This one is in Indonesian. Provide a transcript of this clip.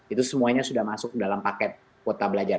itu semuanya sudah masuk dalam paket kuota belajar